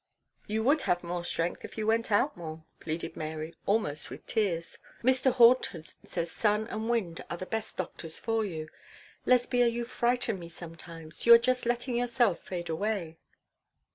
'You would have more strength if you went out more,' pleaded Mary, almost with tears. 'Mr. Horton says sun and wind are the best doctors for you. Lesbia, you frighten me sometimes. You are just letting yourself fade away.'